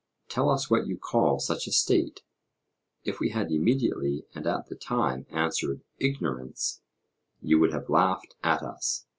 tell us what you call such a state: if we had immediately and at the time answered 'Ignorance,' you would have laughed at us.